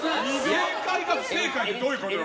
正解が不正解ってどういうことよ。